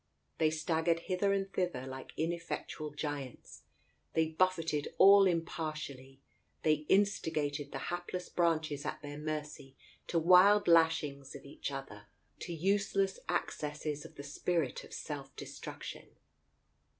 They staggered hither and thither like ineffectual giants ; they buffeted all impartially; they instigated the hapless branches at their mercy to wild lashings of each other, to useless accesses of the spirit of self destruction.